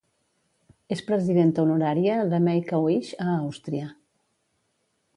És presidenta honorària de Make-A-Wish a Àustria.